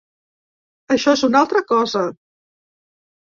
Això és una altra cosa.